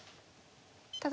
ただ。